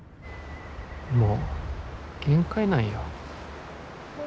もう限界なんよ。